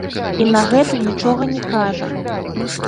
І на гэта нічога не кажа.